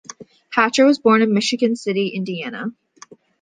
Hatcher was born in Michigan City, Indiana.